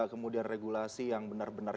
kemudian regulasi yang benar benar